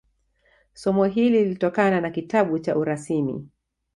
Somo hili lilitokana na kitabu cha urasimi